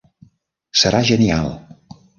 Serà genial.